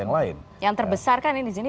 yang lain yang terbesarkan ini di sini